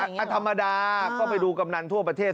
อันธรรมดาก็ไปดูกำนันทั่วประเทศ